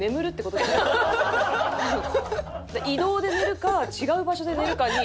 移動で寝るか違う場所で寝るかに。